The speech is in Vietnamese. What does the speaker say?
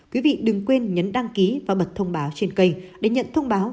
quý vị đừng quên nhấn đăng ký và bật thông báo trên kênh để nhận thông báo